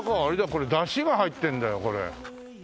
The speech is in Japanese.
これ山車が入ってんだよこれ。